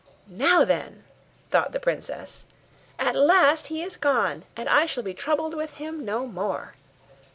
'Now, then,' thought the princess, 'at last he is gone, and I shall be troubled with him no more.